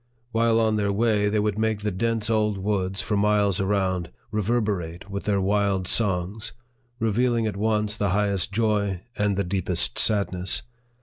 While on their way, they would make the dense old woods, for miles around, reverberate with their wild songs, reveal ing at once the highest joy and the deepest sadness.